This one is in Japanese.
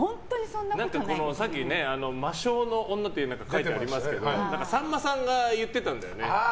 さっきね、魔性の女ってテロップありましたけどさんまさんが言ってたんだよね。